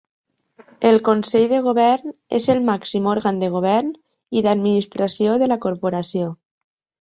El Consell de Govern és el màxim òrgan de govern i d'administració de la Corporació.